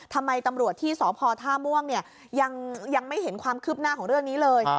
ทำไมตำรวจที่สพท่าม่วงยังไม่เห็นความคืบหน้าของเรื่องนี้เลย